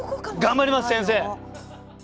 頑張ります先生！